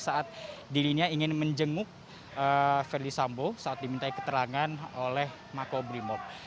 saat dirinya ingin menjenguk ferdis sambo saat dimintai keterangan oleh makobrimob